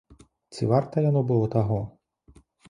Ці варта яно было таго?